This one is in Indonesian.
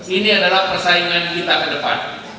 ini adalah persaingan kita ke depan